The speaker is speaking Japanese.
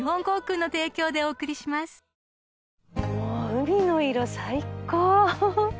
海の色最高。